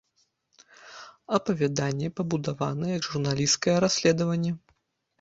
Апавяданне пабудавана як журналісцкае расследаванне.